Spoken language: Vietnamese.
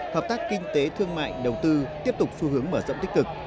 hợp tác kinh tế thương mại đầu tư tiếp tục xu hướng mở rộng tích cực